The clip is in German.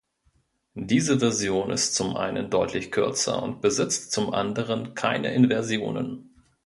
Diese Version ist zum einen deutlich kürzer und besitzt zum anderen keine Inversionen.